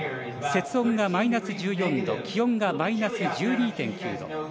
雪温がマイナス１４度気温がマイナス１２．９度。